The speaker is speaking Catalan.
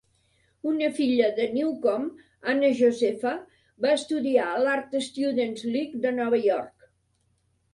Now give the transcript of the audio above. Una filla de Newcomb, Anna Josepha, va estudiar a l'Art Students League de Nova York.